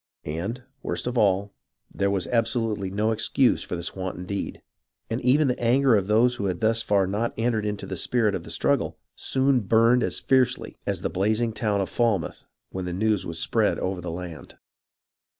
And, worst of all, there was absolutely no excuse for this wanton deed, and even the anger of those who had thus far not entered into the spirit of the struggle soon burned as fiercely as the blazing town of Falmouth when the news spread over the land.